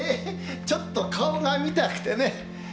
ちょっと顔が見たくてね。